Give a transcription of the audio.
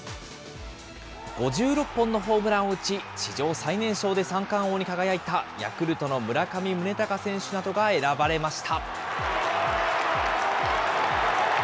５６本のホームランを打ち、史上最年少で三冠王に輝いたヤクルトの村上宗隆選手などが選ばれました。